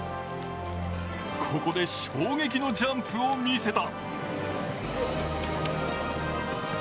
ここで衝撃のジャンプを見せた。